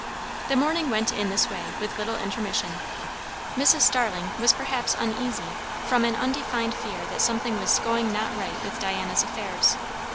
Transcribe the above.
The morning went in this way, with little intermission. Mrs. Starling was perhaps uneasy from an undefined fear that something was going not right with Diana's affairs.